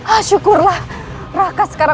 ayo untur perhari